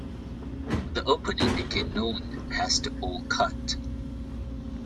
The opening became known as "The Old Cut".